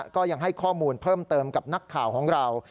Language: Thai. ก็ยังให้ข้อมูลเพิ่มเติมกับนักข่าวของเรา